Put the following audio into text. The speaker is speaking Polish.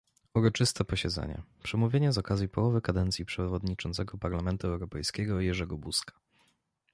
Uroczyste posiedzenie - Przemówienie z okazji połowy kadencji przewodniczącego Parlamentu Europejskiego Jerzego Buzka